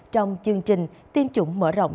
trong chương trình tiêm chủng mở rộng